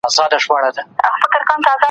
کنت د اتلسمې پیړۍ فیلسوف و.